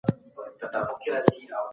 نجونو دا جملې په یوه سا مه وایۍ